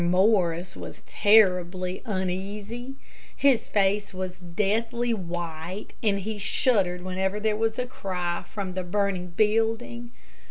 Morris was terribly uneasy. His face was deathly white, and he shuddered whenever there was a cry from the burning building.